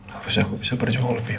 gak usah aku bisa berjuang lebih